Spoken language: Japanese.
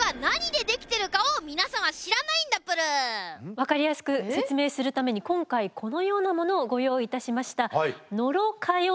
分かりやすく説明するために今回このようなものをご用意いたしました。